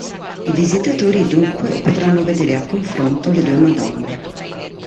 I visitatori dunque potranno vedere a confronto le due Madonne.